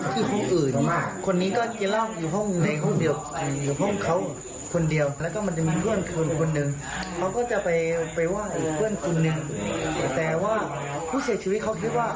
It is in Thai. ตอนนี้ไม่พอใจที่จะพูดเสียชีวิตดา